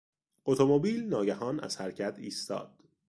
اتومبیل ناگهان از حرکت ایستاد.